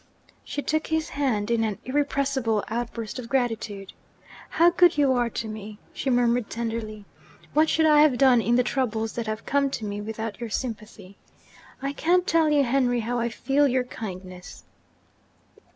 She took his hand in an irrepressible outburst of gratitude. 'How good you are to me!' she murmured tenderly. 'What should I have done in the troubles that have come to me, without your sympathy? I can't tell you, Henry, how I feel your kindness.'